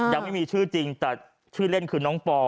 ยังไม่มีชื่อจริงแต่ชื่อเล่นคือน้องปอ